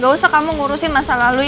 gak usah kamu ngurusin masa lalu